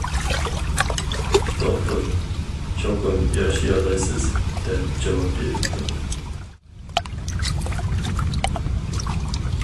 دوختۇر: «چوقۇم ياشىيالايسىز» دەپ جاۋاب بېرىپتۇ.